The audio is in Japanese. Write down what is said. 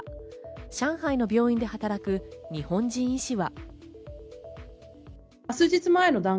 上海の病院で働く日本人医師は。